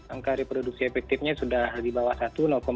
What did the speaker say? angka reproduksi efektifnya sudah di bawah satu